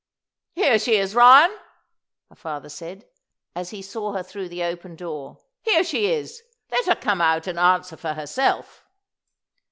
"Here she is, Ryan!" her father said, as he saw her through the open door. "Here she is! Let her come out and answer for herself."